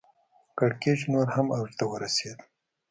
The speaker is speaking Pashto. کړکېچ نور هم اوج ته ورسېد.